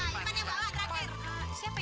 masa sih kau masuk tv kau